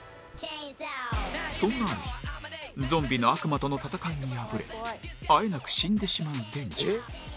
そんなある日ゾンビの悪魔との戦いに敗れあえなく死んでしまうデンジ